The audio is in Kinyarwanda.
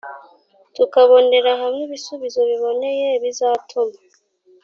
tukabonera hamwe ibisubizo biboneye bizatuma